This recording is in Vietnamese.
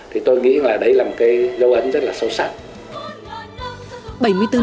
thì tôi nghĩ là đấy là một cái dấu ấn rất là sâu sắc